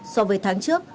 so với tháng trước